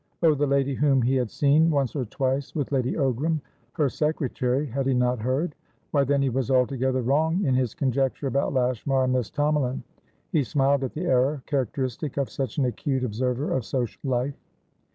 Oh, the lady whom he had seen once or twice with Lady Ogram; her secretary, had he not heard? Why, then he was altogether wrong in his conjecture about Lashmar and Miss Tomalin. He smiled at the error, characteristic of such an acute observer of social life!